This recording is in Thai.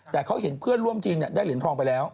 แต่เขาเห็นเพื่อนร่วมทีมได้เหรียญทองไปแล้ว